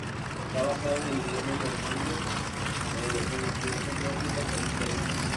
Está basado en el idioma normando con influencias nórdicas e inglesas.